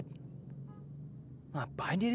aku sudah selesai